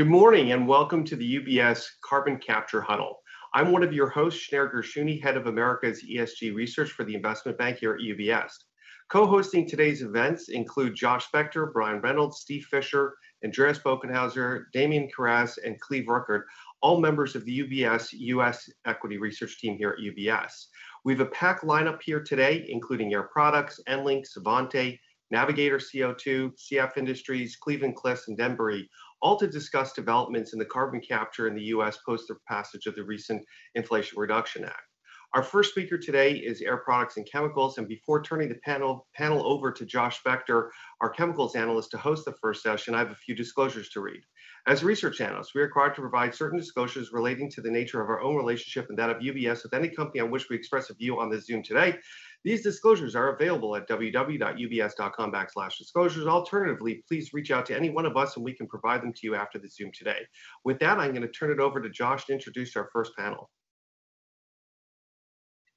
Good morning, welcome to the UBS Carbon Capture Huddle. I'm one of your hosts, Shneur Gershuni, Head of Americas ESG Research for the investment bank here at UBS. Co-hosting today's events include Josh Spector, Brian Reynolds, Steve Fisher, Andreas Bokkenheuser, Damien Kurcz, and Cleve Rucker, all members of the UBS U.S. equity research team here at UBS. We have a packed lineup here today, including Air Products, EnLink, Svante, Navigator CO2, CF Industries, Cleveland-Cliffs, and Denbury, all to discuss developments in the carbon capture in the U.S. post their passage of the recent Inflation Reduction Act. Our first speaker today is Air Products and Chemicals. Before turning the panel over to Josh Spector, our Chemicals Analyst, to host the first session, I have a few disclosures to read. As a research analyst, we are required to provide certain disclosures relating to the nature of our own relationship and that of UBS with any company on which we express a view on this Zoom today. These disclosures are available at www.ubs.com/disclosures. Alternatively, please reach out to any one of us, and we can provide them to you after this Zoom today. With that, I'm gonna turn it over to Josh to introduce our first panel.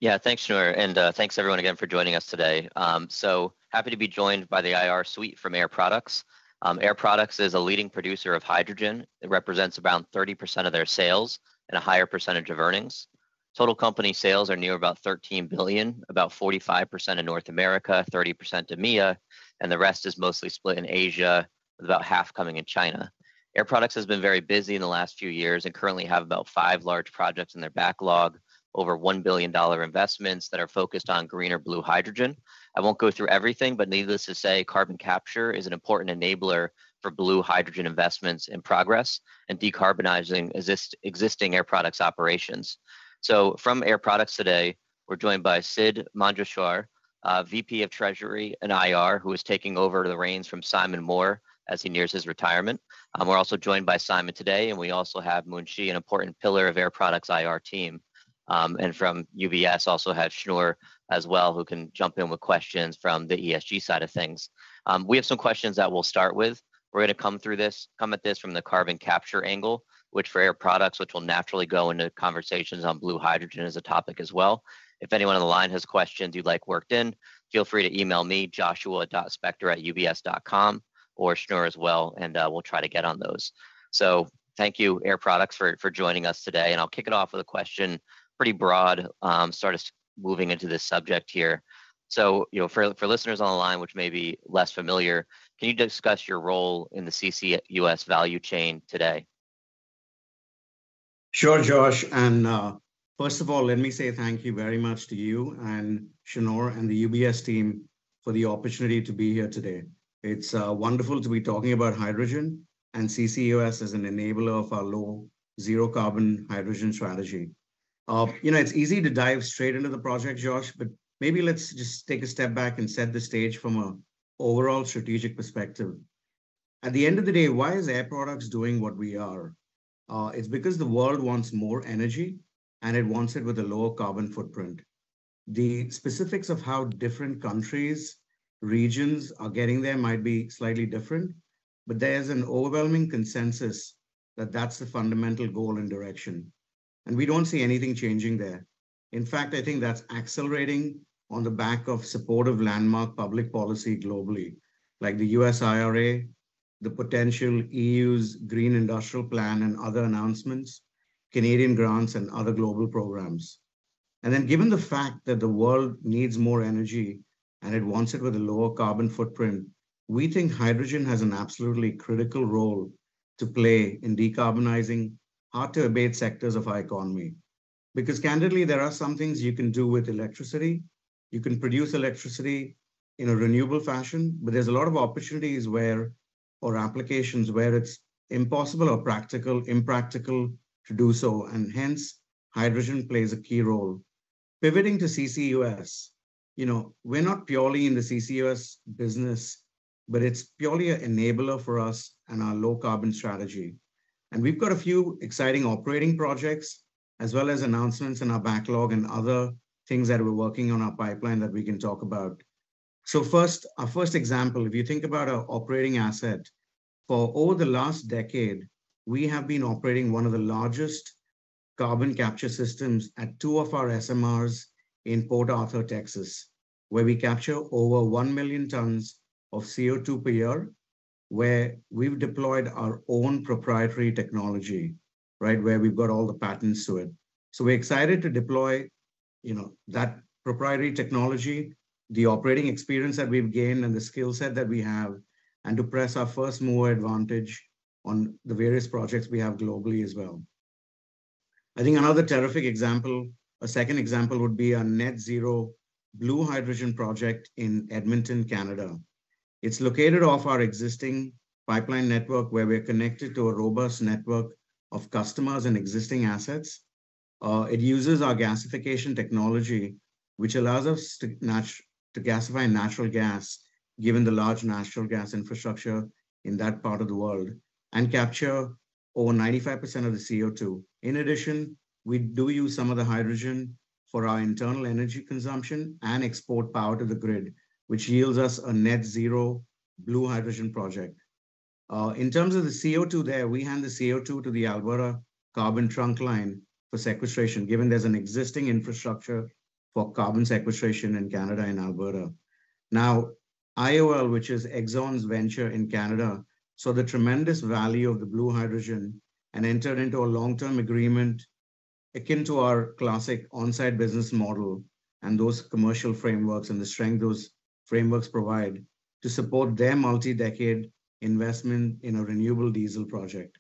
Thanks, Shneur, and thanks everyone again for joining us today. Happy to be joined by the IR suite from Air Products. Air Products is a leading producer of hydrogen. It represents around 30% of their sales and a higher percentage of earnings. Total company sales are near about $13 billion, about 45% in North America, 30% EMEA, and the rest is mostly split in Asia, with about half coming in China. Air Products has been very busy in the last few years and currently have about 5 large projects in their backlog, over $1 billion investments that are focused on green or blue hydrogen. I won't go through everything, needless to say, carbon capture is an important enabler for blue hydrogen investments and progress in decarbonizing existing Air Products operations. From Air Products today, we're joined by Sidd Manjeshwar, VP of Treasury and IR, who is taking over the reins from Simon Moore as he nears his retirement. We're also joined by Simon today, and we also have Mun Shieh, an important pillar of Air Products' IR team. From UBS, also have Shneur as well, who can jump in with questions from the ESG side of things. We have some questions that we'll start with. We're gonna come through this, come at this from the carbon capture angle, which for Air Products, which will naturally go into conversations on blue hydrogen as a topic as well. If anyone on the line has questions you'd like worked in, feel free to email me, joshua.spector@ubs.com, or Shneur as well, and we'll try to get on those. Thank you, Air Products, for joining us today. I'll kick it off with a question, pretty broad, start us moving into this subject here. You know, for listeners on the line which may be less familiar, can you discuss your role in the CCUS value chain today? Sure, Josh. First of all, let me say thank you very much to you and Shneur and the UBS team for the opportunity to be here today. It's wonderful to be talking about hydrogen, and CCUS is an enabler of our low zero carbon hydrogen strategy. You know, it's easy to dive straight into the project, Josh, but maybe let's just take a step back and set the stage from a overall strategic perspective. At the end of the day, why is Air Products doing what we are? It's because the world wants more energy, and it wants it with a lower carbon footprint. The specifics of how different countries, regions are getting there might be slightly different, but there's an overwhelming consensus that that's the fundamental goal and direction, and we don't see anything changing there. In fact, I think that's accelerating on the back of supportive landmark public policy globally, like the U.S. IRA, the potential E.U.'s Green Deal Industrial Plan and other announcements, Canadian grants and other global programs. Given the fact that the world needs more energy and it wants it with a lower carbon footprint, we think hydrogen has an absolutely critical role to play in decarbonizing hard to abate sectors of our economy. Because candidly, there are some things you can do with electricity. You can produce electricity in a renewable fashion, but there's a lot of opportunities where, or applications where it's impossible or practical, impractical to do so, and hence, hydrogen plays a key role. Pivoting to CCUS, you know, we're not purely in the CCUS business, but it's purely a enabler for us and our low carbon strategy. We've got a few exciting operating projects as well as announcements in our backlog and other things that we're working on our pipeline that we can talk about. First, our first example, if you think about our operating asset, for over the last decade, we have been operating one of the largest carbon capture systems at 2 of our SMRs in Port Arthur, Texas, where we capture over 1 million tons of CO2 per year, where we've deployed our own proprietary technology, right, where we've got all the patents to it. We're excited to deploy, you know, that proprietary technology, the operating experience that we've gained and the skill set that we have, and to press our first-mover advantage on the various projects we have globally as well. I think another terrific example, a second example would be our net zero blue hydrogen project in Edmonton, Canada. It's located off our existing pipeline network where we are connected to a robust network of customers and existing assets. It uses our Gasification Technology, which allows us to gasify natural gas, given the large natural gas infrastructure in that part of the world, and capture over 95% of the CO2. In addition, we do use some of the hydrogen for our internal energy consumption and export power to the grid, which yields us a net-zero blue hydrogen project. In terms of the CO2 there, we hand the CO2 to the Alberta Carbon Trunk Line for sequestration, given there's an existing infrastructure for carbon sequestration in Canada and Alberta. Now, IOL, which is Exxon's venture in Canada, saw the tremendous value of the blue hydrogen and entered into a long-term agreement akin to our classic on-site business model and those commercial frameworks and the strength those frameworks provide to support their multi-decade investment in a renewable diesel project.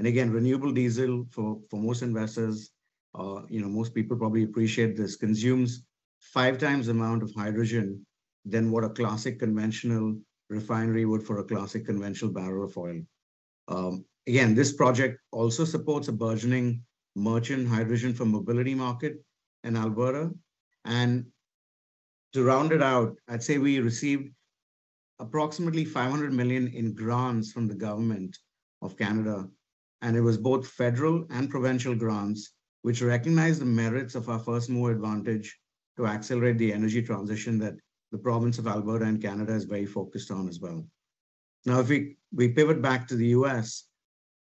Again, renewable diesel for most investors, you know, most people probably appreciate this, consumes 5x the amount of hydrogen than what a classic conventional refinery would for a classic conventional barrel of oil. Again, this project also supports a burgeoning merchant hydrogen for mobility market in Alberta. To round it out, I'd say we received approximately $500 million in grants from the government of Canada, and it was both federal and provincial grants, which recognized the merits of our first-mover advantage to accelerate the energy transition that the province of Alberta and Canada is very focused on as well. Now, if we pivot back to the U.S.,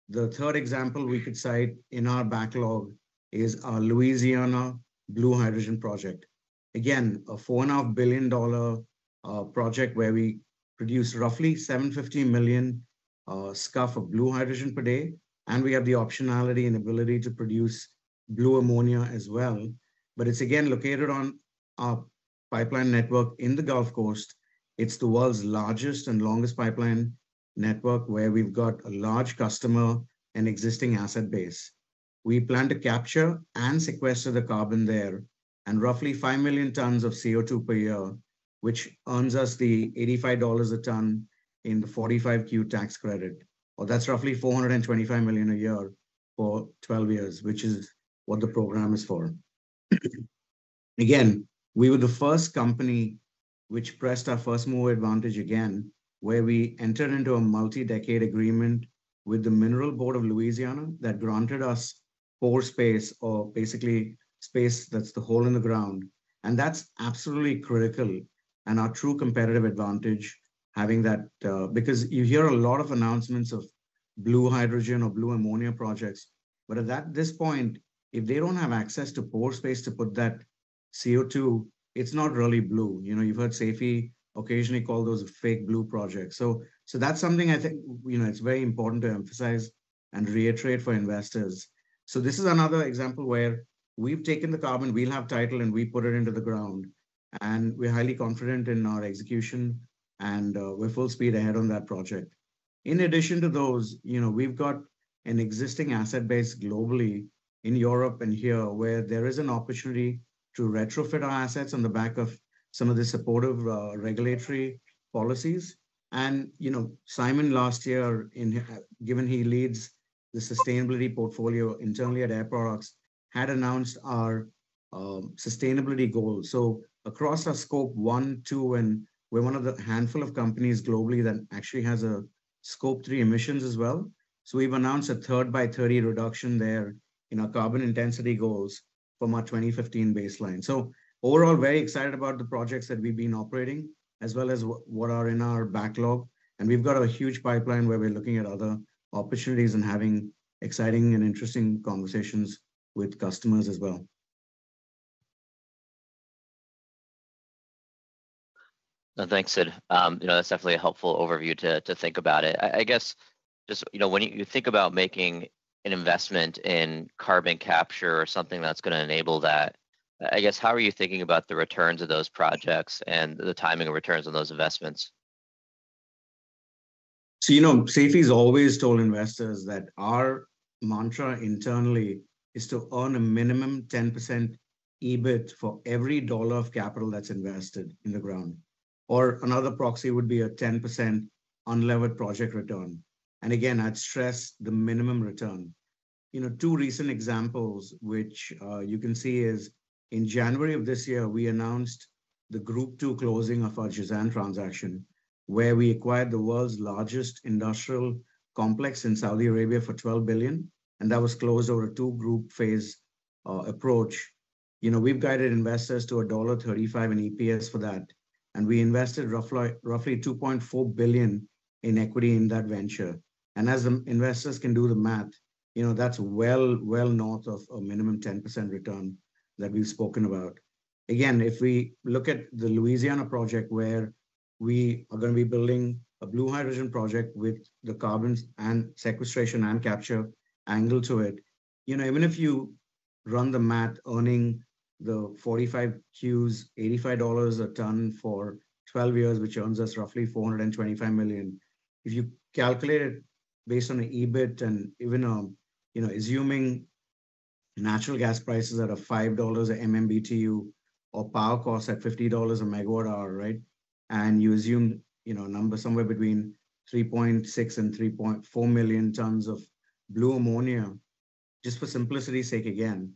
the third example we could cite in our backlog is our Louisiana Blue Hydrogen project. Again, a $4.5 billion project where we produce roughly 750 million scf of blue hydrogen per day, and we have the optionality and ability to produce blue ammonia as well. It's again located on our pipeline network in the Gulf Coast. It's the world's largest and longest pipeline network where we've got a large customer and existing asset base. We plan to capture and sequester the carbon there roughly 5 million tons of CO2 per year, which earns us the $85 a ton in the 45Q tax credit. That's roughly $425 million a year for 12 years, which is what the program is for. We were the first company which pressed our first-mover advantage again, where we entered into a multi-decade agreement with the Mineral Board of Louisiana that granted us pore space or basically space that's the hole in the ground. That's absolutely critical and our true competitive advantage having that. Because you hear a lot of announcements of blue hydrogen or blue ammonia projects, but at this point, if they don't have access to pore space to put that CO2, it's not really blue. You know, you've heard Seifi occasionally call those fake blue projects. That's something I think, you know, it's very important to emphasize and reiterate for investors. This is another example where we've taken the carbon, we'll have title, and we put it into the ground, and we're highly confident in our execution, and we're full speed ahead on that project. In addition to those, you know, we've got an existing asset base globally in Europe and here where there is an opportunity to retrofit our assets on the back of some of the supportive regulatory policies. You know, Simon Moore last year given he leads the sustainability portfolio internally at Air Products, had announced our sustainability goals. Across our Scope 1, 2, and we're one of the handful of companies globally that actually has a Scope 3 emissions as well. We've announced a third by 30 reduction there in our carbon intensity goals from our 2015 baseline. Overall, very excited about the projects that we've been operating as well as what are in our backlog. We've got a huge pipeline where we're looking at other opportunities and having exciting and interesting conversations with customers as well. Thanks, Sid. You know, that's definitely a helpful overview to think about it. I guess just, you know, when you think about making an investment in carbon capture or something that's gonna enable that, I guess, how are you thinking about the returns of those projects and the timing of returns on those investments? You know, Seifi's always told investors that our mantra internally is to earn a minimum 10% EBIT for every dollar of capital that's invested in the ground. Another proxy would be a 10% unlevered project return. Again, I'd stress the minimum return. You know, 2 recent examples which you can see is in January of this year, we announced the group 2 closing of our Jazan transaction, where we acquired the world's largest industrial complex in Saudi Arabia for $12 billion, and that was closed over a 2-group phase approach. You know, we've guided investors to $1.35 in EPS for that, and we invested roughly $2.4 billion in equity in that venture. As the investors can do the math, you know, that's well, well north of a minimum 10% return that we've spoken about. If we look at the Louisiana project, where we are gonna be building a blue hydrogen project with the carbon and sequestration and capture angle to it, you know, even if you run the math earning the 45Q, $85 a ton for 12 years, which earns us roughly $425 million. If you calculate it based on the EBIT and even, you know, assuming natural gas prices at a $5 a MMBTU or power cost at $50 a megawatt hour, right? And you assume, you know, a number somewhere between 3.6 million and 3.4 million tons of blue ammonia, just for simplicity's sake again,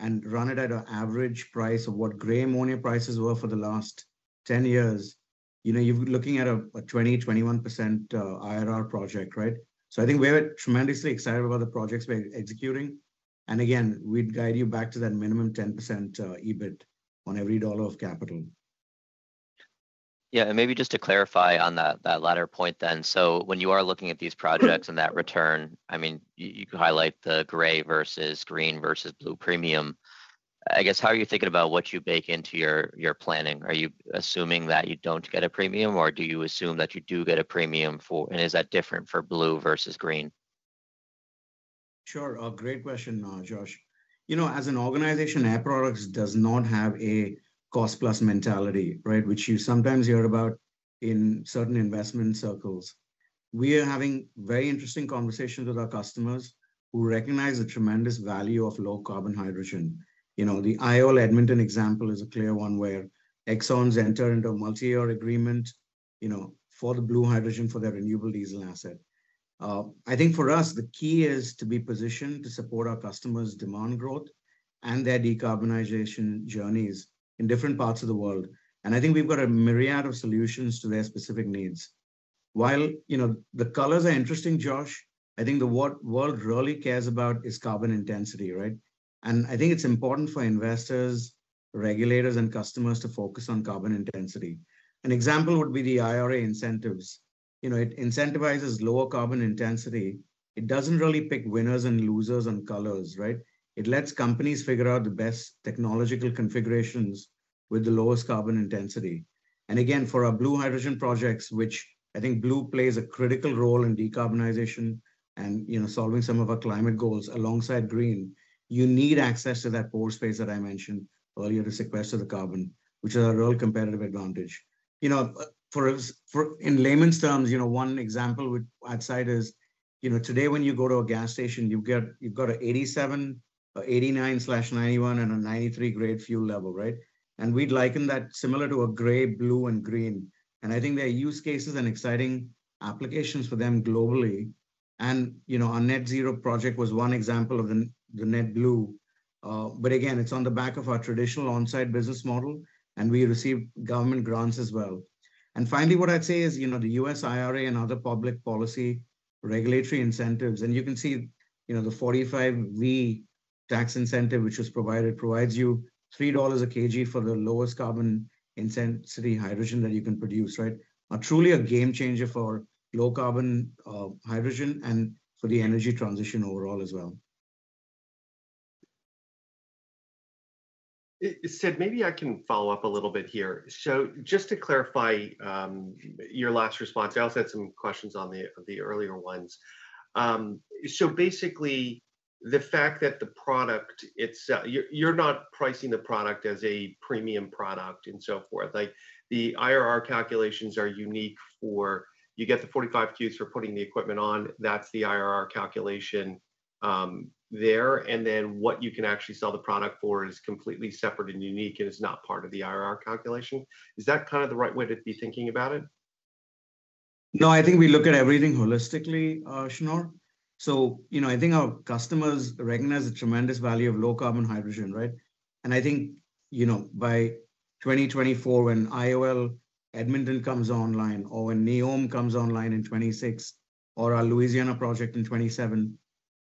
and run it at an average price of what gray ammonia prices were for the last 10 years, you know, you're looking at a 20%-21% IRR project, right? I think we're tremendously excited about the projects we're executing. Again, we'd guide you back to that minimum 10% EBIT on every $ of capital. Maybe just to clarify on that latter point then. When you are looking at these projects and that return, I mean, you highlight the gray versus green versus blue premium. I guess, how are you thinking about what you bake into your planning? Are you assuming that you don't get a premium, or do you assume that you do get a premium for? Is that different for blue versus green? Sure. A great question, Josh. You know, as an organization, Air Products does not have a cost-plus mentality, right, which you sometimes hear about in certain investment circles. We are having very interesting conversations with our customers who recognize the tremendous value of low carbon hydrogen. You know, the IOL Edmonton example is a clear one where Exxon's entered into a multi-year agreement, you know, for the blue hydrogen for their renewable diesel asset. I think for us, the key is to be positioned to support our customers' demand growth and their decarbonization journeys in different parts of the world. I think we've got a myriad of solutions to their specific needs. While, you know, the colors are interesting, Josh, I think the world really cares about is carbon intensity, right? I think it's important for investors, regulators, and customers to focus on carbon intensity. An example would be the IRA incentives. You know, it incentivizes lower carbon intensity. It doesn't really pick winners and losers and colors, right? It lets companies figure out the best technological configurations with the lowest carbon intensity. Again, for our blue hydrogen projects, which I think blue plays a critical role in decarbonization and, you know, solving some of our climate goals alongside green, you need access to that pore space that I mentioned earlier to sequester the carbon, which is a real competitive advantage. You know, for us, in layman's terms, you know, one example I'd cite is, you know, today when you go to a gas station, you've got a 87 or 89 slash 91 and a 93 grade fuel level, right? We'd liken that similar to a gray, blue, and green. I think there are use cases and exciting applications for them globally. You know, our Net-Zero project was one example of the net blue. Again, it's on the back of our traditional on-site business model, and we receive government grants as well. Finally, what I'd say is, you know, the U.S. IRA and other public policy regulatory incentives, and you can see, you know, the 45V tax incentive, which was provided, provides you $3 a kg for the lowest carbon intensity hydrogen that you can produce, right? Truly a game changer for low carbon hydrogen and for the energy transition overall as well. Sidd, maybe I can follow up a little bit here. Just to clarify, your last response, I also had some questions on the earlier ones. Basically, the fact that the product itself, you're not pricing the product as a premium product and so forth. Like, the IRR calculations are unique for you get the 45Q for putting the equipment on, that's the IRR calculation there. Then what you can actually sell the product for is completely separate and unique, and it's not part of the IRR calculation. Is that kind of the right way to be thinking about it? I think we look at everything holistically, Shneur. You know, I think our customers recognize the tremendous value of low-carbon hydrogen, right? I think, you know, by 2024, when IOL Edmonton comes online or when NEOM comes online in 2026 or our Louisiana project in 2027,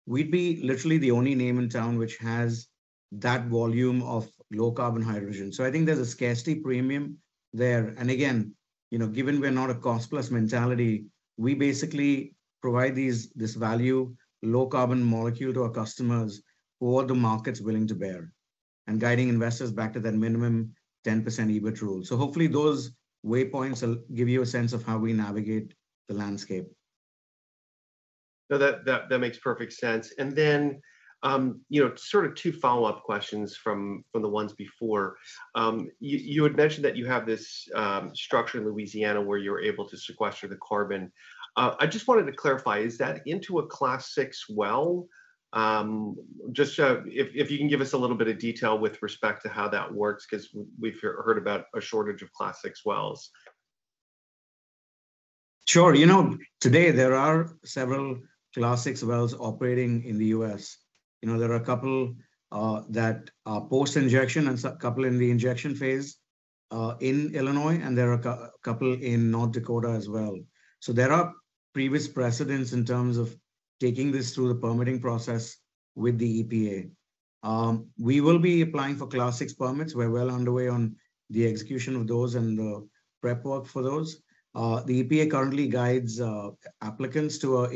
we'd be literally the only name in town which has that volume of low-carbon hydrogen. I think there's a scarcity premium there. Again, you know, given we're not a cost plus mentality, we basically provide this value, low-carbon molecule to our customers for the market's willing to bear and guiding investors back to that minimum 10% EBIT rule. Hopefully, those waypoints will give you a sense of how we navigate the landscape. That makes perfect sense. You know, sort of 2 follow-up questions from the ones before. You had mentioned that you have this structure in Louisiana where you're able to sequester the carbon. I just wanted to clarify, is that into a Class VI well? Just if you can give us a little bit of detail with respect to how that works, 'cause we've heard about a shortage of Class VI wells. Sure. You know, today there are several Class VI wells operating in the U.S. You know, there are a couple that are post-injection and couple in the injection phase, in Illinois, and there are a couple in North Dakota as well. There are previous precedents in terms of taking this through the permitting process with the EPA. We will be applying for Class VI permits. We're well underway on the execution of those and the prep work for those. The EPA currently guides applicants to a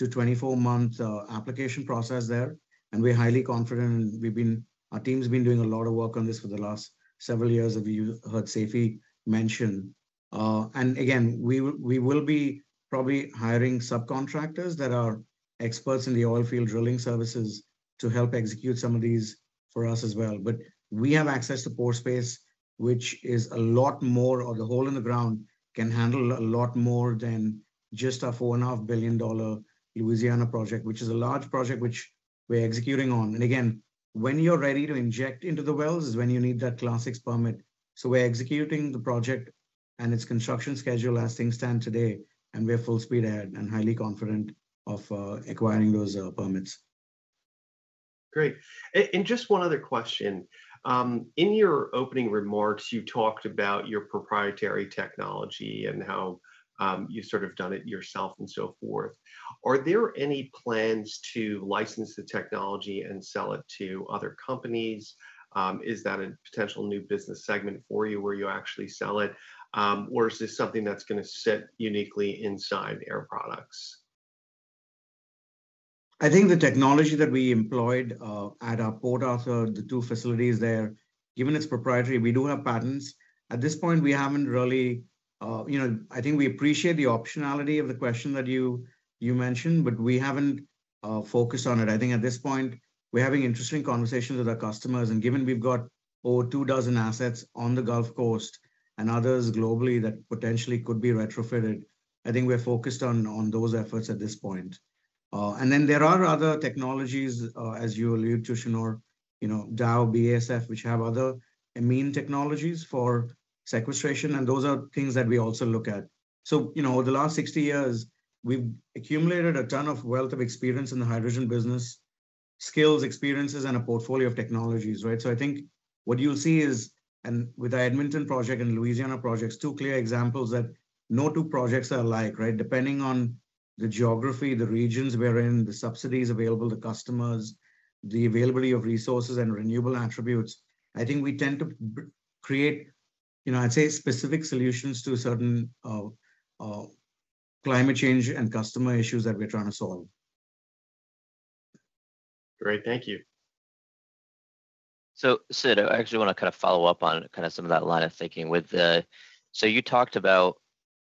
18 to 24 month application process there, and we're highly confident. Our team's been doing a lot of work on this for the last several years, as you heard Seifi mention. Again, we will be probably hiring subcontractors that are experts in the oil field drilling services to help execute some of these for us as well. But we have access to pore space, which is a lot more of the hole in the ground, can handle a lot more than just our $4.5 billion Louisiana project, which is a large project which we're executing on. Again, when you're ready to inject into the wells is when you need that Class VI permit. So we're executing the project and its construction schedule as things stand today, and we're full speed ahead and highly confident of acquiring those permits. Great. Just one other question. In your opening remarks, you talked about your proprietary technology and how you've sort of done it yourself and so forth. Are there any plans to license the technology and sell it to other companies? Is that a potential new business segment for you where you actually sell it? Or is this something that's gonna sit uniquely inside Air Products? I think the technology that we employed, at our port, so the 2 facilities there, given its proprietary, we do have patents. At this point, we haven't really, you know, I think we appreciate the optionality of the question that you mentioned, but we haven't focused on it. I think at this point, we're having interesting conversations with our customers, and given we've got over 2 dozen assets on the Gulf Coast and others globally that potentially could be retrofitted, I think we're focused on those efforts at this point. There are other technologies, as you allude to, Shneur, you know, Dow, BASF, which have other amine technologies for sequestration, and those are things that we also look at. You know, over the last 60 years, we've accumulated a ton of wealth of experience in the hydrogen business, skills, experiences, and a portfolio of technologies, right? I think what you'll see is, and with the Edmonton project and Louisiana projects, 2 clear examples that no 2 projects are alike, right? Depending on the geography, the regions we're in, the subsidies available to customers, the availability of resources and renewable attributes, I think we tend to create, you know, I'd say specific solutions to certain climate change and customer issues that we're trying to solve. Great. Thank you. Sid, I actually wanna kind of follow up on kinda some of that line of thinking. You talked about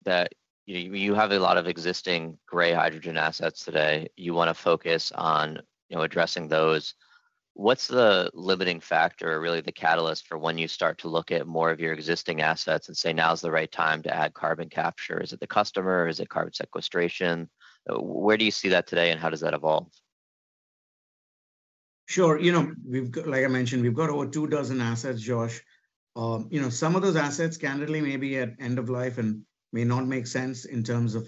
that, you know, you have a lot of existing gray hydrogen assets today. You wanna focus on, you know, addressing those. What's the limiting factor or really the catalyst for when you start to look at more of your existing assets and say, "Now's the right time to add carbon capture?" Is it the customer? Is it carbon sequestration? Where do you see that today, and how does that evolve? Sure. You know, we've got, like I mentioned, we've got over 2 dozen assets, Josh. You know, some of those assets candidly may be at end of life and may not make sense in terms of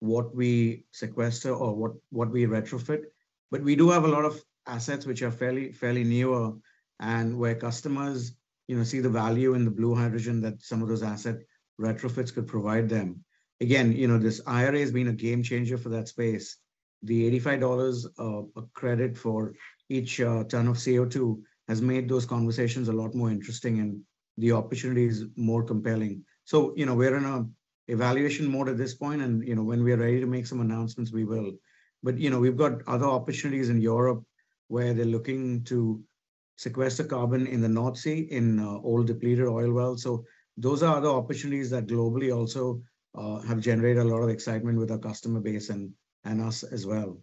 what we sequester or what we retrofit. We do have a lot of assets which are fairly newer and where customers, you know, see the value in the blue hydrogen that some of those asset retrofits could provide them. Again, you know, this IRA has been a game changer for that space. The $85 of credit for each ton of CO2 has made those conversations a lot more interesting, and the opportunity is more compelling. You know, we're in a evaluation mode at this point, and, you know, when we are ready to make some announcements, we will. You know, we've got other opportunities in Europe where they're looking to sequester carbon in the North Sea, in old depleted oil wells. Those are other opportunities that globally also have generated a lot of excitement with our customer base and us as well.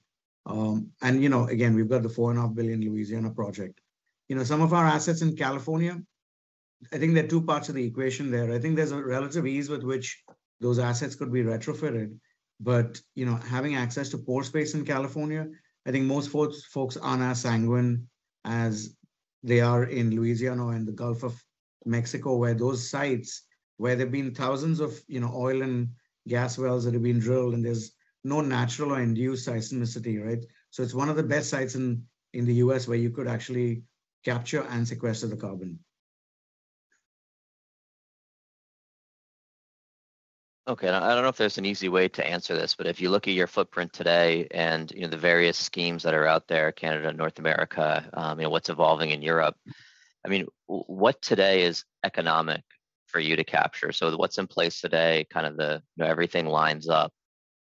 You know, again, we've got the 4 and a half billion Louisiana project. You know, some of our assets in California, I think there are 2 parts of the equation there. I think there's a relative ease with which those assets could be retrofitted. You know, having access to pore space in California, I think most folks aren't as sanguine as they are in Louisiana or in the Gulf of Mexico, where those sites where there've been thousands of, you know, oil and gas wells that have been drilled, and there's no natural or induced seismicity, right? It's one of the best sites in the U.S. where you could actually capture and sequester the carbon. Okay. I don't know if there's an easy way to answer this, but if you look at your footprint today and, you know, the various schemes that are out there, Canada, North America, you know, what's evolving in Europe, I mean, what today is economic for you to capture, so what's in place today, kind of the, you know, everything lines up,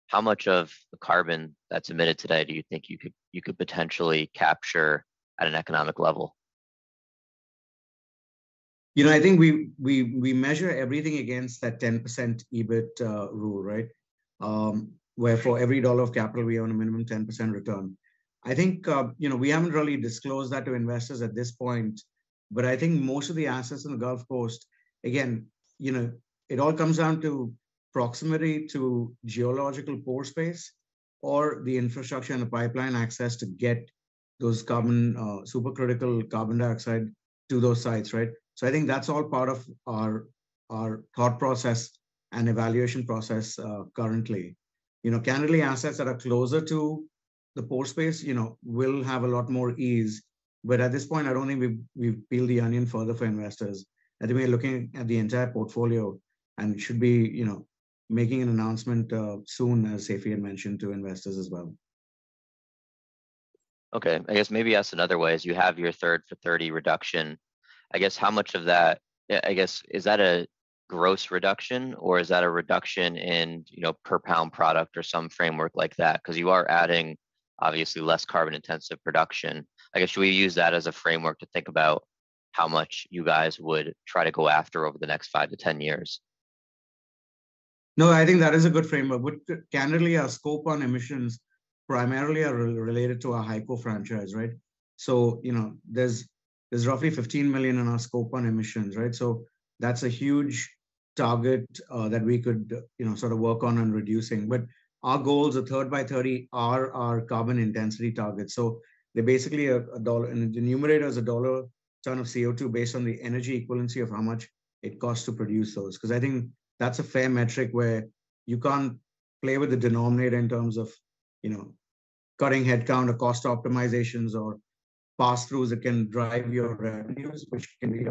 how much of the carbon that's emitted today do you think you could potentially capture at an economic level? You know, I think we, we measure everything against that 10% EBIT rule, right? Where for every dollar of capital, we own a minimum 10% return. I think, you know, we haven't really disclosed that to investors at this point, but I think most of the assets in the Gulf Coast, again, you know, it all comes down to proximity to geological pore space or the infrastructure and the pipeline access to get those carbon supercritical carbon dioxide to those sites, right? I think that's all part of our thought process and evaluation process currently. You know, candidly, assets that are closer to the pore space, you know, will have a lot more ease. At this point, I don't think we've peeled the onion further for investors. I think we're looking at the entire portfolio and should be, you know, making an announcement, soon, as Seifi had mentioned to investors as well. I guess maybe ask another way, is you have your third for thirty reduction. I guess how much of that, I guess, is that a gross reduction, or is that a reduction in, you know, per pound product or some framework like that? Cause you are adding obviously less carbon intensive production. I guess, should we use that as a framework to think about how much you guys would try to go after over the next 5 to 10 years? No, I think that is a good framework. Candidly, our scope on emissions primarily are related to our HYCO franchise, right? You know, there's roughly $15 million in our scope on emissions, right? That's a huge target that we could, you know, sort of work on reducing. Our goals are third by thirty are our carbon intensity targets. They basically are $1 a ton of CO2 based on the energy equivalency of how much it costs to produce those. 'Cause I think that's a fair metric where you can't play with the denominator in terms of, you know, cutting headcount or cost optimizations or pass-throughs that can drive your revenues, which can be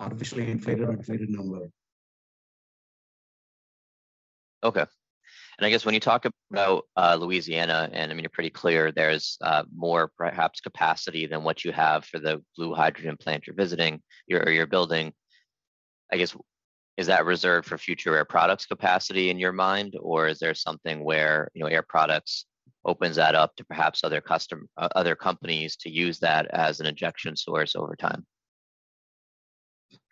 artificially inflated number. Okay. I guess when you talk about Louisiana, you're pretty clear there's more perhaps capacity than what you have for the blue hydrogen plant you're visiting or you're building. I guess is that reserved for future Air Products capacity in your mind? Or is there something where, you know, Air Products opens that up to perhaps other companies to use that as an injection source over time?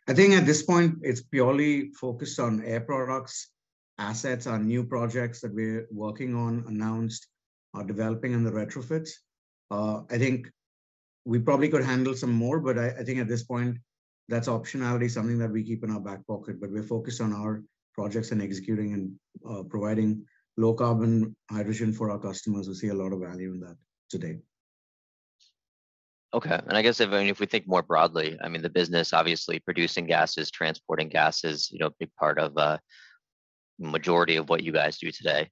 I think at this point it's purely focused on Air Products assets, on new projects that we're working on, announced or developing in the retrofits. I think we probably could handle some more, but I think at this point, that's optionality, something that we keep in our back pocket. We're focused on our projects and executing and providing low carbon hydrogen for our customers. We see a lot of value in that today. Okay. I guess if, I mean, if we think more broadly, I mean, the business obviously producing gases, transporting gases, you know, a big part of, majority of what you guys do today.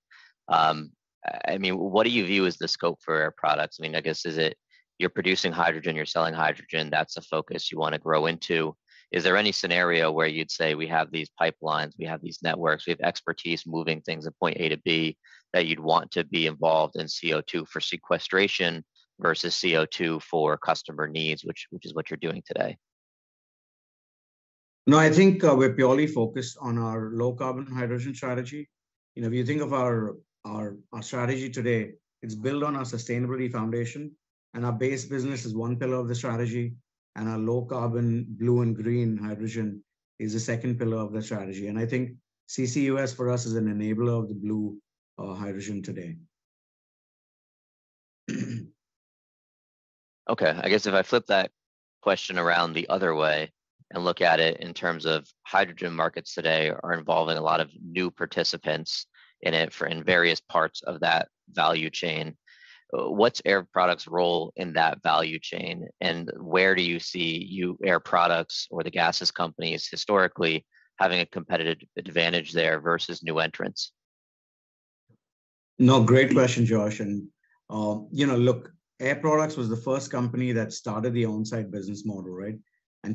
I mean, what do you view as the scope for Air Products? I mean, I guess, is it you're producing hydrogen, you're selling hydrogen, that's a focus you wanna grow into? Is there any scenario where you'd say, "We have these pipelines, we have these networks, we have expertise moving things from point A to B," that you'd want to be involved in CO2 for sequestration versus CO2 for customer needs, which is what you're doing today? No, I think we're purely focused on our low carbon hydrogen strategy. You know, if you think of our strategy today, it's built on our sustainability foundation, and our base business is one pillar of the strategy, and our low carbon blue and green hydrogen is the second pillar of the strategy. I think CCUS for us is an enabler of the blue hydrogen today. Okay. I guess if I flip that question around the other way and look at it in terms of hydrogen markets today are involving a lot of new participants in it for, in various parts of that value chain, what's Air Products' role in that value chain, and where do you see you, Air Products or the gases companies historically having a competitive advantage there versus new entrants? Great question, Josh. You know, look, Air Products was the first company that started the on-site business model, right?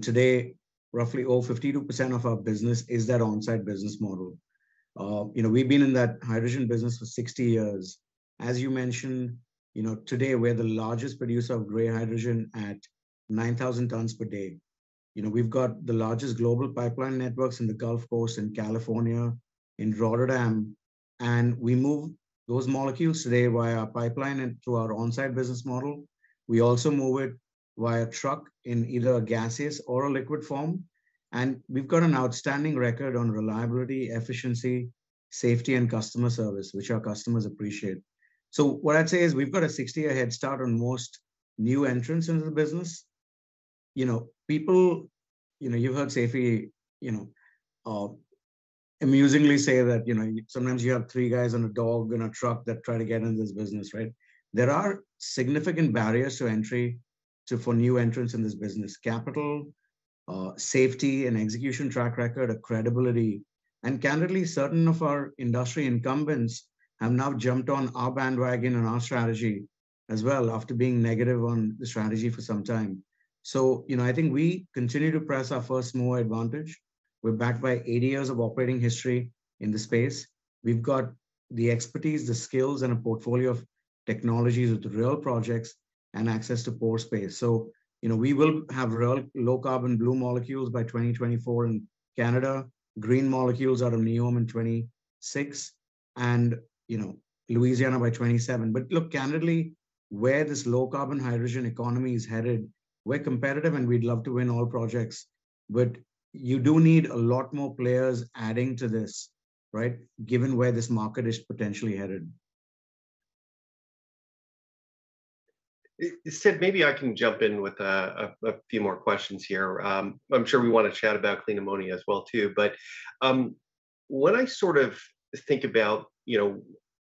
Today, roughly, 52% of our business is that on-site business model. You know, we've been in that hydrogen business for 60 years. As you mentioned, you know, today we're the largest producer of gray hydrogen at 9,000 tons per day. You know, we've got the largest global pipeline networks in the Gulf Coast and California, in Rotterdam, and we move those molecules today via pipeline and through our on-site business model. We also move it via truck in either a gaseous or a liquid form. We've got an outstanding record on reliability, efficiency, safety, and customer service, which our customers appreciate. What I'd say is we've got a 60-year head start on most new entrants into the business. You know, people, you know, you've heard Seifi, you know, amusingly say that, you know, sometimes you have 3 guys and a dog and a truck that try to get into this business, right? There are significant barriers to entry for new entrants in this business: capital, safety and execution track record, a credibility. Candidly, certain of our industry incumbents have now jumped on our bandwagon and our strategy as well after being negative on the strategy for some time. You know, I think we continue to press our first mover advantage. We're backed by 80 years of operating history in the space. We've got the expertise, the skills, and a portfolio of technologies with real projects and access to pore space. You know, we will have real low carbon blue molecules by 2024 in Canada, green molecules out of NEOM in 2026, and, you know, Louisiana by 2027. Look, candidly, where this low carbon hydrogen economy is headed, we're competitive and we'd love to win all projects, but you do need a lot more players adding to this, right, given where this market is potentially headed. Sidd, maybe I can jump in with a few more questions here. I'm sure we wanna chat about clean ammonia as well too. When I sort of think about, you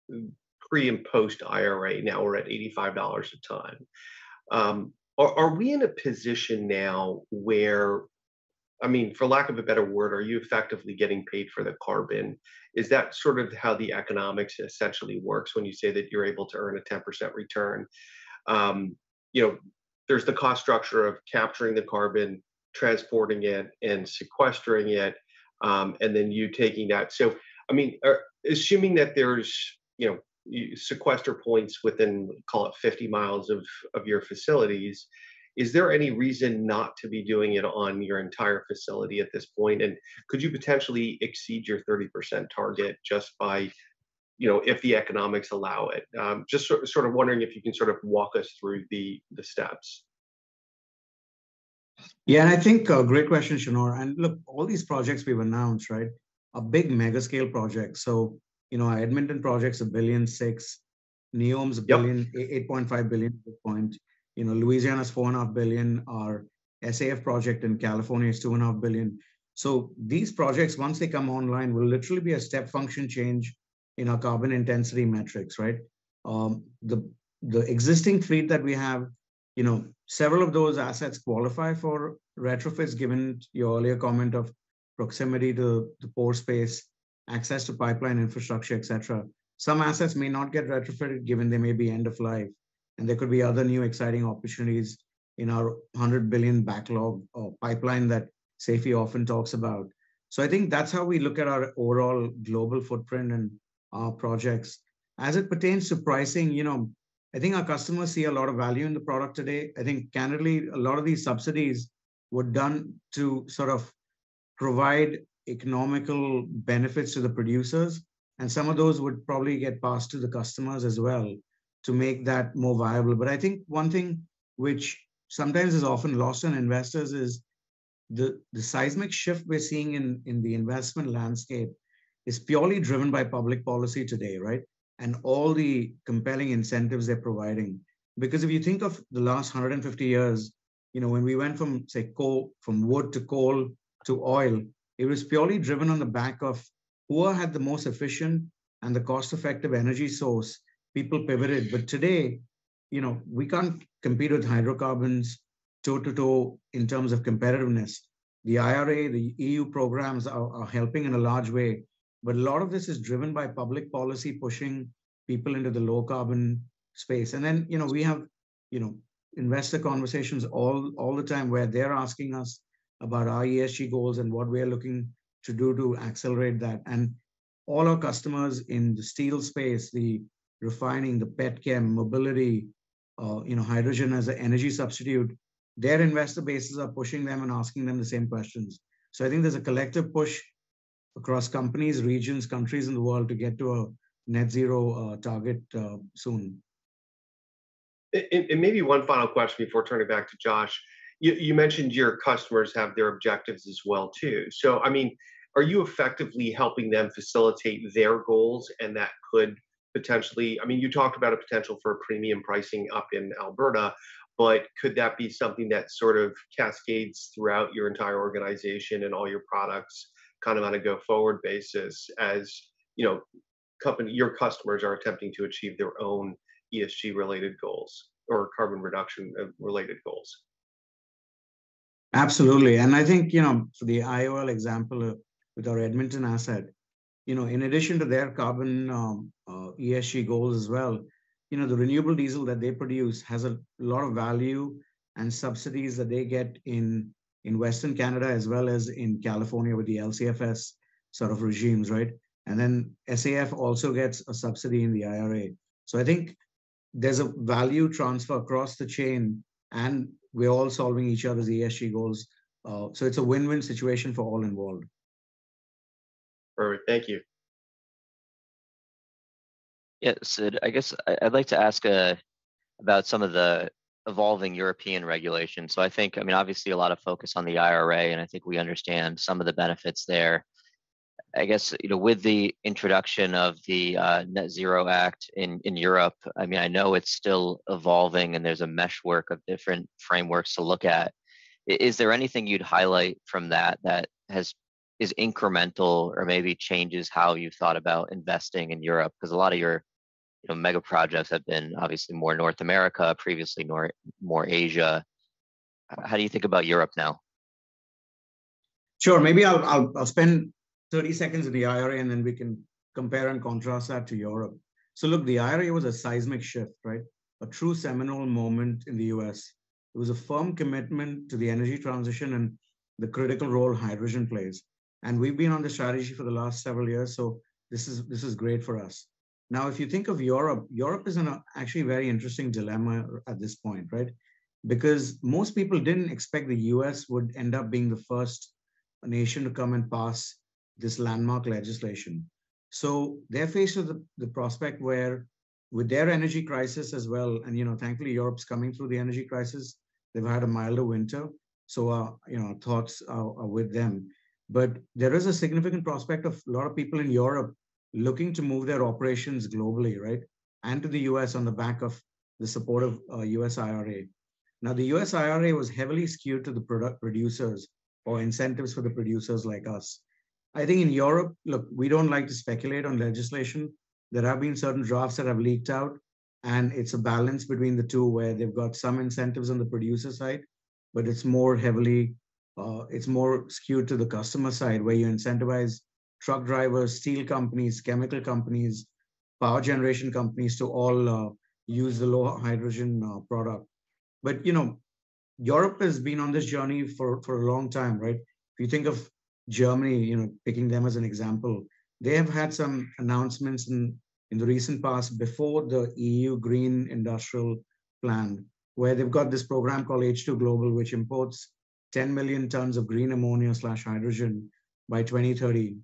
know, pre and post IRA, now we're at $85 a ton, are we in a position now where, I mean, for lack of a better word, are you effectively getting paid for the carbon? Is that sort of how the economics essentially works when you say that you're able to earn a 10% return? You know, there's the cost structure of capturing the carbon, transporting it, and sequestering it, then you taking that. I mean, assuming that there's, you know, sequester points within, call it 50 miles of your facilities, is there any reason not to be doing it on your entire facility at this point? Could you potentially exceed your 30% target just by, you know, if the economics allow it? Just sort of wondering if you can sort of walk us through the steps. Yeah. I think, great question, Shneur. Look, all these projects we've announced, right, are big mega scale projects. You know, our Edmonton project's $1.6 billion. NEOM's $1 billion. Yep... $8.5 billion at that point. You know, Louisiana's $4.5 billion. Our SAF project in California is $2.5 billion. These projects, once they come online, will literally be a step function change in our carbon intensity metrics, right? The existing fleet that we have, you know, several of those assets qualify for retrofits given your earlier comment of proximity to pore space, access to pipeline infrastructure, et cetera. Some assets may not get retrofitted given they may be end of life, and there could be other new exciting opportunities in our $100 billion backlog pipeline that Seifi often talks about. I think that's how we look at our overall global footprint and our projects. As it pertains to pricing, you know, I think our customers see a lot of value in the product today. I think candidly, a lot of these subsidies were done to sort of provide economical benefits to the producers, and some of those would probably get passed to the customers as well to make that more viable. I think one thing which sometimes is often lost on investors is the seismic shift we're seeing in the investment landscape is purely driven by public policy today, right? All the compelling incentives they're providing. If you think of the last 150 years, you know, when we went from, say, coal, from wood to coal to oil, it was purely driven on the back of who had the most efficient and the cost-effective energy source, people pivoted. Today, you know, we can't compete with hydrocarbons toe-to-toe in terms of competitiveness. The IRA, the EU programs are helping in a large way. A lot of this is driven by public policy pushing people into the low carbon space. Then, you know, we have, you know, investor conversations all the time where they're asking us about our ESG goals and what we are looking to do to accelerate that. All our customers in the steel space, the refining, the pet chem, mobility, you know, hydrogen as an energy substitute, their investor bases are pushing them and asking them the same questions. I think there's a collective push across companies, regions, countries in the world to get to a net zero target soon. Maybe one final question before turning back to Josh. You mentioned your customers have their objectives as well too. I mean, are you effectively helping them facilitate their goals? That could potentially... I mean, you talked about a potential for premium pricing up in Alberta, but could that be something that sort of cascades throughout your entire organization and all your products kind of on a go-forward basis as, you know, your customers are attempting to achieve their own ESG related goals or carbon reduction related goals? Absolutely. I think, you know, the IOL example of, with our Edmonton asset, you know, in addition to their carbon ESG goals as well, you know, the renewable diesel that they produce has a lot of value and subsidies that they get in western Canada as well as in California with the LCFS sort of regimes, right? SAF also gets a subsidy in the IRA. I think there's a value transfer across the chain, and we're all solving each other's ESG goals. It's a win-win situation for all involved. Perfect. Thank you. Yeah, Sid, I'd like to ask about some of the evolving European regulations. I think, I mean, obviously a lot of focus on the IRA, and I think we understand some of the benefits there. I guess, you know, with the introduction of the Net-Zero Industry Act in Europe, I mean, I know it's still evolving, and there's a meshwork of different frameworks to look at. Is there anything you'd highlight from that that is incremental or maybe changes how you've thought about investing in Europe? A lot of your, you know, mega projects have been obviously more North America, previously more Asia. How do you think about Europe now? Sure. Maybe I'll spend 30 seconds on the IRA, and then we can compare and contrast that to Europe. Look, the IRA was a seismic shift, right? A true seminal moment in the U.S. It was a firm commitment to the energy transition and the critical role hydrogen plays. We've been on this strategy for the last several years, so this is great for us. If you think of Europe is in a actually very interesting dilemma at this point, right? Because most people didn't expect the U.S. would end up being the first nation to come and pass this landmark legislation. They're faced with the prospect where with their energy crisis as well, you know, thankfully Europe's coming through the energy crisis. They've had a milder winter, so, you know, thoughts are with them. There is a significant prospect of a lot of people in Europe looking to move their operations globally, right? To the U.S. on the back of the support of U.S. IRA. The U.S. IRA was heavily skewed to the product producers or incentives for the producers like us. I think in Europe, look, we don't like to speculate on legislation. There have been certain drafts that have leaked out, and it's a balance between the 2 where they've got some incentives on the producer side, but it's more heavily, it's more skewed to the customer side, where you incentivize truck drivers, steel companies, chemical companies, power generation companies to all use the low hydrogen product. You know, Europe has been on this journey for a long time, right? If you think of Germany, you know, picking them as an example, they have had some announcements in the recent past before the EU Green Industrial Plan, where they've got this program called H2 Global, which imports 10 million tons of green ammonia/hydrogen by 2030.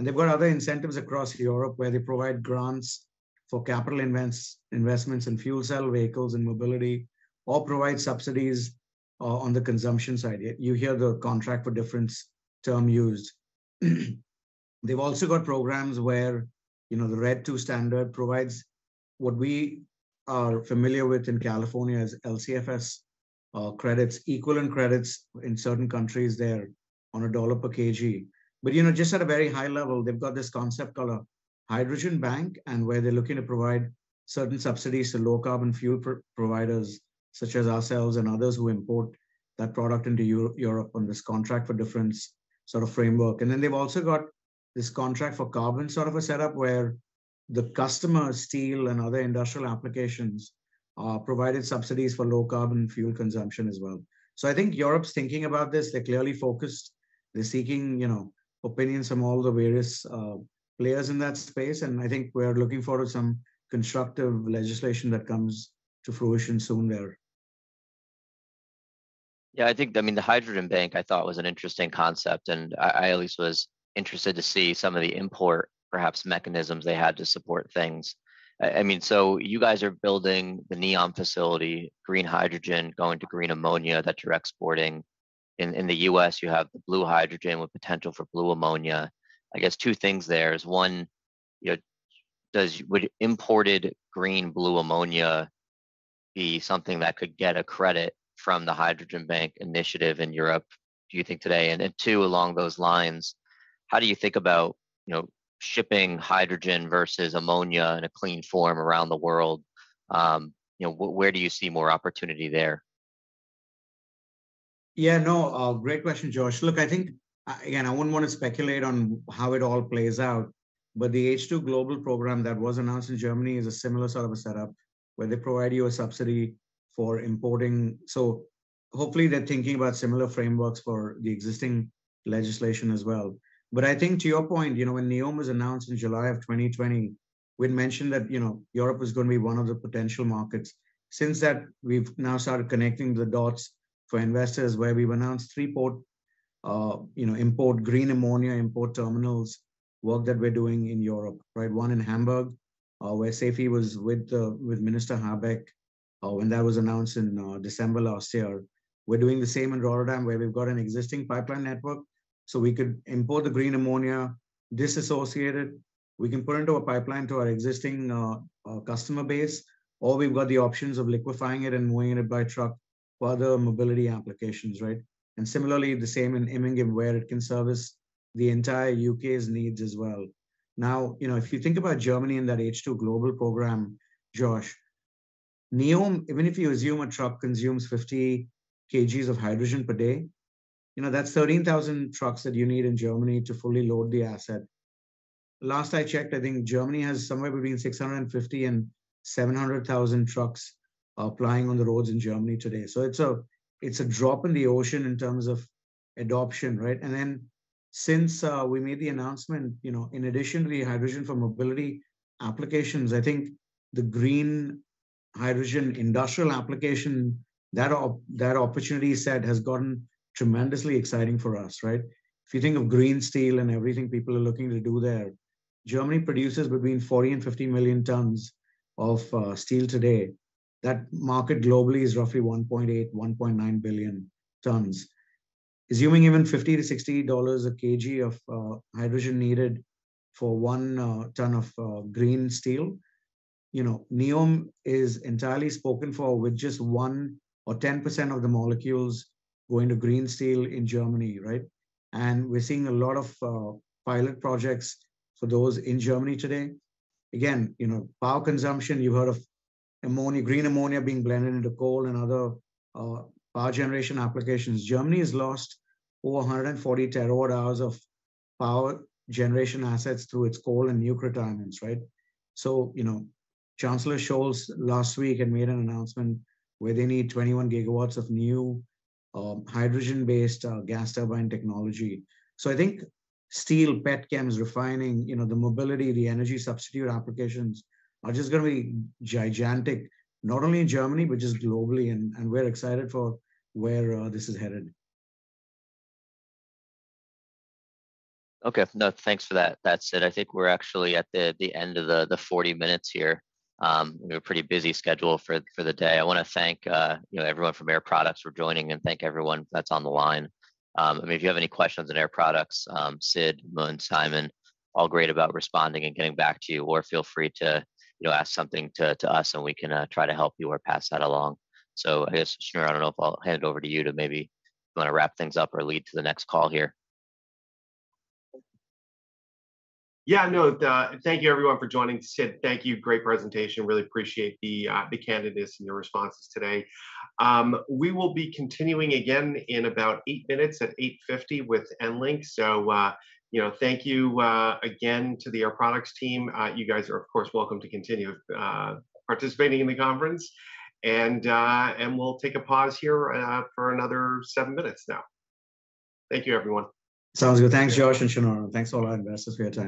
They've got other incentives across Europe where they provide grants for capital investments in fuel cell vehicles and mobility or provide subsidies on the consumption side. You hear the Contract for Difference term used. They've also got programs where, you know, the RED II standard provides what we are familiar with in California as LCFS credits, equivalent credits in certain countries there on a $ per kg. you know, just at a very high level, they've got this concept called a hydrogen bank and where they're looking to provide certain subsidies to low carbon fuel providers such as ourselves and others who import that product into Europe on this Contract for Difference sort of framework. They've also got this contract for carbon sort of a setup where the customer steel and other industrial applications are provided subsidies for low carbon fuel consumption as well. I think Europe's thinking about this. They're clearly focused. They're seeking, you know, opinions from all the various players in that space, and I think we are looking forward to some constructive legislation that comes to fruition soon there. Yeah, I think, I mean, the Hydrogen Bank I thought was an interesting concept, I at least was interested to see some of the import perhaps mechanisms they had to support things. I mean, you guys are building the Neom facility, green hydrogen going to green ammonia that you're exporting. In the U.S. you have the blue hydrogen with potential for blue ammonia. I guess 2 things there is, one, you know, would imported green blue ammonia be something that could get a credit from the Hydrogen Bank initiative in Europe, do you think today? 2, along those lines, how do you think about, you know, shipping hydrogen versus ammonia in a clean form around the world? You know, where do you see more opportunity there? Yeah, no, great question, Josh. Look, I think, again, I wouldn't wanna speculate on how it all plays out, but the H2Global program that was announced in Germany is a similar sort of a setup where they provide you a subsidy for importing. Hopefully they're thinking about similar frameworks for the existing legislation as well. I think to your point, you know, when Neom was announced in July of 2020, we'd mentioned that, you know, Europe was gonna be one of the potential markets. Since that, we've now started connecting the dots for investors where we've announced 3 port, you know, import green ammonia import terminals work that we're doing in Europe, right? One in Hamburg, where Seifi was with Minister Habeck, when that was announced in December last year. We're doing the same in Rotterdam where we've got an existing pipeline network, so we could import the green ammonia, disassociate it. We can put into a pipeline to our existing customer base, or we've got the options of liquefying it and moving it by truck for other mobility applications, right? Similarly, the same in Immingham where it can service the entire UK's needs as well. You know, if you think about Germany and that H2 Global program, Josh, Neom, even if you assume a truck consumes 50 kgs of hydrogen per day, you know, that's 13,000 trucks that you need in Germany to fully load the asset. Last I checked, I think Germany has somewhere between 650,000 and 700,000 trucks plying on the roads in Germany today. It's a drop in the ocean in terms of adoption, right? Then since we made the announcement, you know, in addition to the hydrogen for mobility applications, I think the green hydrogen industrial application, that opportunity set has gotten tremendously exciting for us, right? If you think of green steel and everything people are looking to do there, Germany produces between 40 and 50 million tons of steel today. That market globally is roughly 1.8, 1.9 billion tons. Assuming even $50 to $60 a kg of hydrogen needed for 1 ton of green steel, you know, Neom is entirely spoken for with just 1% or 10% of the molecules going to green steel in Germany, right? We're seeing a lot of pilot projects for those in Germany today. You know, power consumption, you've heard of ammonia, green ammonia being blended into coal and other power generation applications. Germany has lost over 140 terawatt hours of power generation assets to its coal and nuke retirements, right? You know, Chancellor Scholz last week had made an announcement where they need 21 gigawatts of new hydrogen-based gas turbine technology. I think steel, petchem is refining, you know, the mobility, the energy substitute applications are just gonna be gigantic, not only in Germany, but just globally and we're excited for where this is headed. Okay. No, thanks for that's it. I think we're actually at the 40 minutes here. We have a pretty busy schedule for the day. I wanna thank, you know, everyone from Air Products for joining and thank everyone that's on the line. I mean, if you have any questions on Air Products, Sid, Moon, Simon, all great about responding and getting back to you, or feel free to, you know, ask something to us, and we can try to help you or pass that along. I guess, Shneur, I don't know if I'll hand it over to you to maybe if you wanna wrap things up or lead to the next call here. No, thank you everyone for joining. Sidd, thank you, great presentation. Really appreciate the candidness in your responses today. We will be continuing again in about 8 minutes at 8:50 A.M. with Enbridge. You know, thank you again to the Air Products team. You guys are of course welcome to continue participating in the conference. We'll take a pause here for another 7 minutes now. Thank you, everyone. Sounds good. Thanks Josh and Shneur. Thanks a lot, investors, for your time.